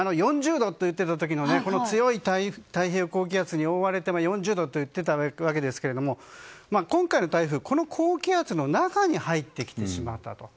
強い太平洋高気圧に覆われて４０度と言っていたわけですが今回の台風この高気圧の中に入ってきてしまったと。